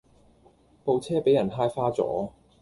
部車比人揩花左